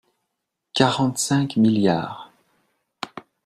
quarante-cinq milliards